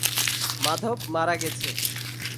মাধব মারা গেছে।